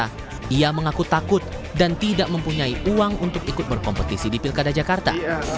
dia mengaku takut dan tidak mempunyai uang untuk ikut berkompetisi di pilkada jakarta